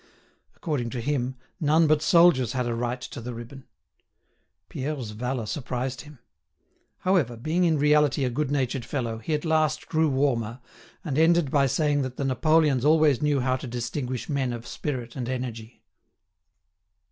According to him, none but soldiers had a right to the ribbon. Pierre's valour surprised him. However, being in reality a good natured fellow, he at last grew warmer, and ended by saying that the Napoleons always knew how to distinguish men of spirit and energy.